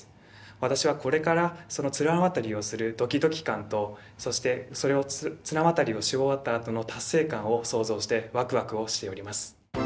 私はこれから綱渡りをするドキドキ感とそして綱渡りをし終わったあとの達成感を想像してワクワクをしております。